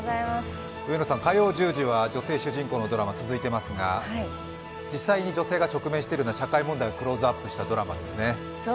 上野さん、火曜１０時は女性主人公のドラマが続いてますが実際に女性が直面しているような社会問題をクローズアップしたドラマですね。